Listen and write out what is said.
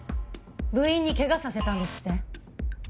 部員に怪我させたんですって？